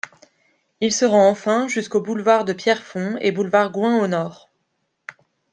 Il se rend enfin jusqu'aux boulevard de Pierrefonds et boulevard Gouin au nord.